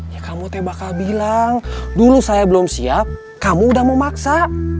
ya kamu teh bakal bilang dulu saya belum siap kamu udah memaksa